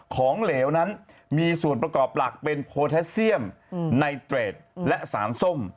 เหลวนั้นมีส่วนประกอบหลักเป็นโพแทสเซียมไนเตรดและสารส้ม